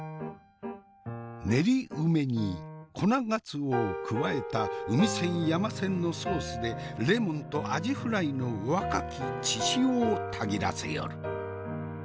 練り梅に粉がつおを加えた海千山千のソースでレモンとアジフライの若き血潮をたぎらせよる。